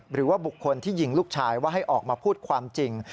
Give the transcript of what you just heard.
หรือว่าบุคคลที่ยิงลูกชายว่าให้ออกมาพูดความจริง